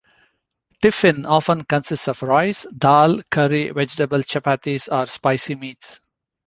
Tiffin often consists of rice, dal, curry, vegetables, chapatis or "spicy meats".